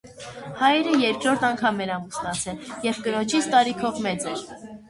Հայրը երկրորդ անգամ էր ամուսնացել և կնոջից տարիքով մեծ էր։